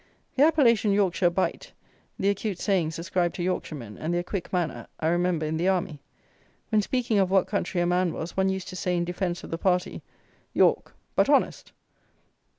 The appellation "Yorkshire bite"; the acute sayings ascribed to Yorkshiremen; and their quick manner, I remember, in the army. When speaking of what country a man was, one used to say, in defence of the party, "York, but honest."